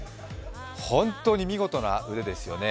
本当に見事な腕ですよね。